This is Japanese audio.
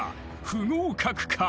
不合格か？］